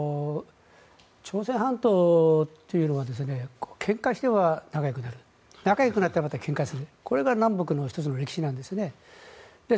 朝鮮半島というのはけんかしては仲よくなる仲良くなってはまたけんかするこれが南北の１つの歴史なんですね。